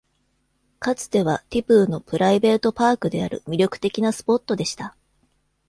かつては、ティプーのプライベートパークである魅力的なスポットでした。